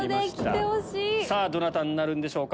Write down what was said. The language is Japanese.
さぁどなたになるんでしょうか？